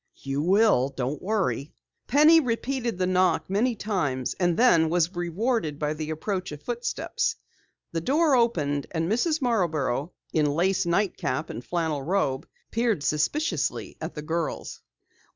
"You will, don't worry!" Penny repeated the knock many times, and then was rewarded by the approach of footsteps. The door opened, and Mrs. Marborough, in lace night cap and flannel robe, peered suspiciously at the girls.